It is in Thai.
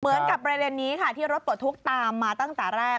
เหมือนกับเรื่องนี้ค่ะที่รถตรวจทุกข์ตามมาตั้งแต่แรก